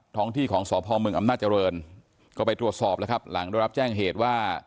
ท้องที่ของสพเมืองอำนาจริงก็ไปตรวจสอบแล้วครับหลังได้รับแจ้งเหตุว่า